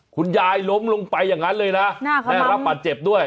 คุณยายล้มลงไปอย่างนั้นเลยนะได้รับบาดเจ็บด้วย